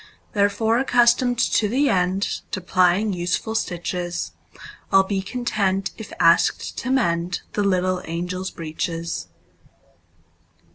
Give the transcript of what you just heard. Therefore, accustomed to the endTo plying useful stitches,I 'll be content if asked to mendThe little angels' breeches.